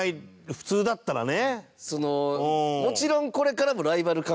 普通だったらね。